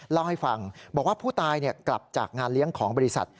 เล่าให้ฟังบอกว่าผู้ตายกลับจากงานเลี้ยงของบริษัท